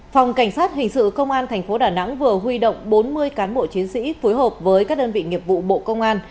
phòng cảnh sát hình sự công an tp đà nẵng vừa huy động bốn mươi cán bộ chiến sĩ phối hợp với các đơn vị nghiệp vụ bộ công an